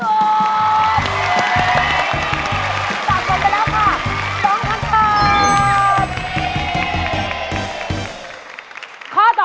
จากก่อนไปแล้วค่ะน้องท่านท่าน